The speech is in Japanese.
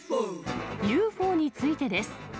ＵＦＯについてです。